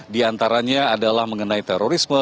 di antaranya adalah mengenai terorisme